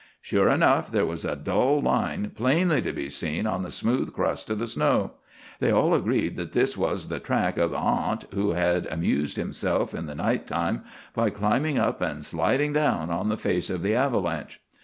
Sure enough, there was a dull line plainly to be seen on the smooth crust of the snow. They all agreed that this was the track of the "harnt," who had amused himself in the night time by climbing up and sliding down on the face of the avalanche.